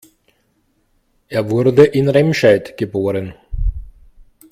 Er wurde in Remscheid geboren